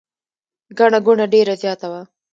ګڼه ګوڼه ډېره زیاته وه.